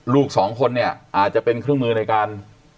ลูกสองคนเนี่ยอาจจะเป็นเครื่องมือในการ